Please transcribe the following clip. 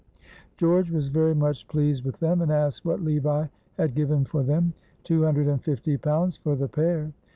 George was very much pleased with them, and asked what Levi had given for them. "Two hundred and fifty pounds for the pair."